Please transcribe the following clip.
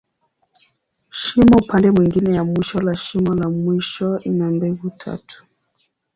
Shimo upande mwingine ya mwisho la shimo la mwisho, ina mbegu tatu.